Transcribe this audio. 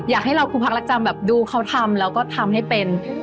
อยากให้เราคือพักรักจำแบบดูเขาทำแล้วก็ทำให้เป็น